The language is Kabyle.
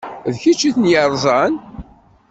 D kečč i ten-yeṛẓan.